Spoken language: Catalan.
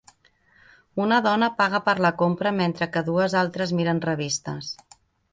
Una dona paga per la compra mentre que dues altres miren revistes.